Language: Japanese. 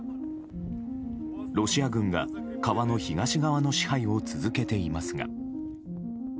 ロシア軍が川の東側の支配を続けていますが。